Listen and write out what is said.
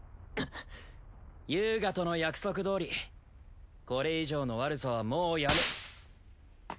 遊我との約束どおりこれ以上の悪さはもうやめ。